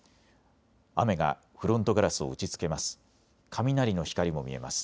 雨がフロントガラスを打ちつけます。